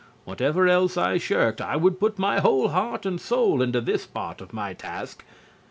Whatever else I shirked, I would put my whole heart and soul into this part of my task.